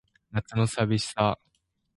夏の淋しさ